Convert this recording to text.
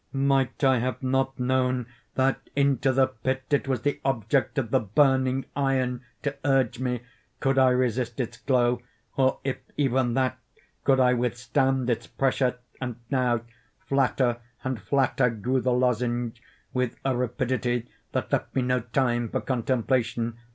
might I have not known that into the pit it was the object of the burning iron to urge me? Could I resist its glow? or, if even that, could I withstand its pressure? And now, flatter and flatter grew the lozenge, with a rapidity that left me no time for contemplation.